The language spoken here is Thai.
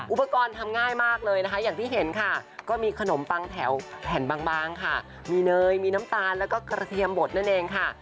อุปกรณ์ทำง่ายมากเลยนะคะอย่างที่เห็นค่ะก็มีขนมปังแถวแผ่นบางค่ะมีเนยมีน้ำตาลแล้วก็กระเทียมบดนั่นเองค่ะ